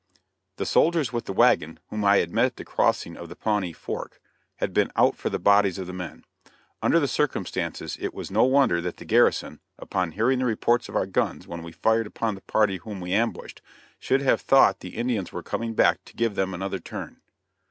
The soldiers with the wagon whom I had met at the crossing of the Pawnee Fork had been out for the bodies of the men. Under the circumstances it was no wonder that the garrison, upon hearing the reports of our guns when we fired upon the party whom we ambushed, should have thought the Indians were coming back to give them another "turn."